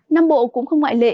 năm bộ cũng không ngoại lệ